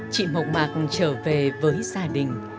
chị mộng mạc trở về với gia đình